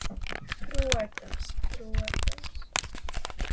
Protams, protams...